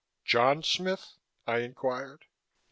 "John Smith?" I inquired.